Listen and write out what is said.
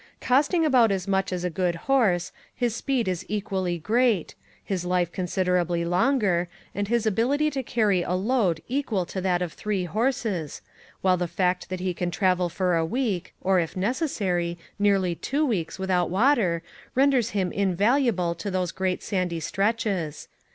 Costing about as much as a good horse, his speed is equally great, his life con siderably longer, and his ability to carry a load equal to that of three horses, while the fact that he can travel for a week, or, if necessary, nearly two weeks with out water renders him invaluable to those great sandy stretches.